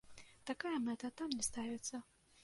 Такая мэта там не ставіцца.